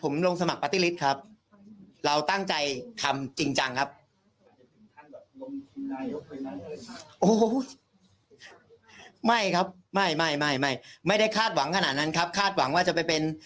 ไม่ครับไม่ไม่ไม่ไม่ไม่ได้คาดหวังขนาดนั้นครับคาดหวังว่าจะไปเป็น